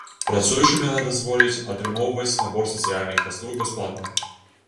Працуючым яна дазволіць атрымоўваць набор сацыяльных паслуг бясплатна.